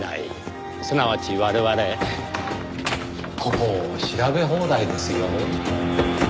すなわち我々ここを調べ放題ですよ。